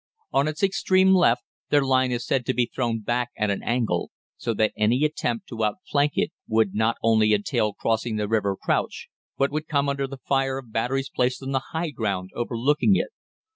On its extreme left their line is said to be thrown back at an angle, so that any attempt to outflank it would not only entail crossing the river Crouch, but would come under the fire of batteries placed on the high ground overlooking it.